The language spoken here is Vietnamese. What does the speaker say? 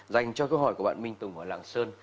dành cho câu hỏi của bạn minh tùng ở lạng sơn